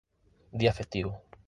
Día Festivo.